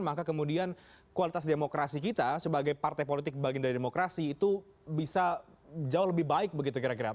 maka kemudian kualitas demokrasi kita sebagai partai politik bagian dari demokrasi itu bisa jauh lebih baik begitu kira kira